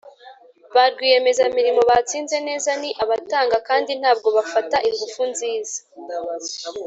"ba rwiyemezamirimo batsinze neza ni abatanga kandi ntabwo bafata ingufu nziza."